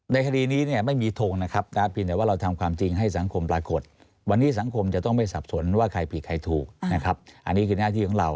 คดีนี้เนี่ยไม่มีทงนะครับนะเพียงแต่ว่าเราทำความจริงให้สังคมปรากฏวันนี้สังคมจะต้องไม่สับสนว่าใครผิดใครถูกนะครับอันนี้คือหน้าที่ของเรา